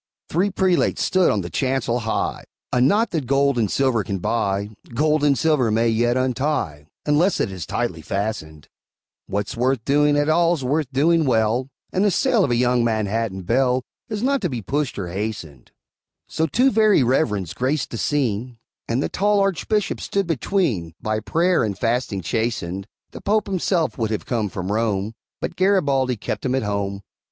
Three prelates stood on the chancel high: A knot that gold and silver can buy, Gold and silver may yet untie, Unless it is tightly fastened; What's worth doing at all's worth doing well, And the sale of a young Manhattan belle Is not to be pushed or hastened; So two Very Reverends graced the scene, And the tall Archbishop stood between, By prayer and fasting chastened; The Pope himself would have come from Rome, But Garibaldi kept him at home.